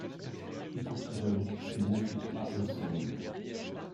Écoute donc, s’ils n’affûtent pas ensemble!